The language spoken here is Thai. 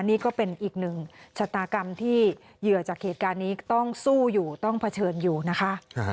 นี่ก็เป็นอีกหนึ่งชะตากรรมที่เหยื่อจากเหตุการณ์นี้ต้องสู้อยู่ต้องเผชิญอยู่นะคะ